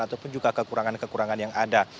ataupun juga kekurangan kekurangan yang ada